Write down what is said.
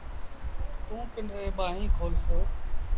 توٚنٚ پنڊريٚݩ ٻآهيݩ کولس